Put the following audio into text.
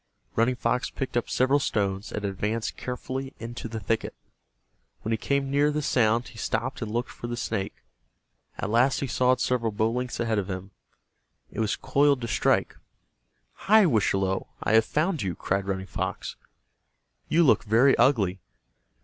Running Fox picked up several stones, and advanced carefully into the thicket. When he came near the sound he stopped and looked for the snake. At last he saw it several bow lengths ahead of him. It was coiled to strike. "Hi, Wischalowe, I have found you," cried Running Fox. "You look very ugly.